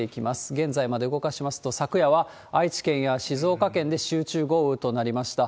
現在まで動かしますと、昨夜は愛知県や静岡県で集中豪雨となりました。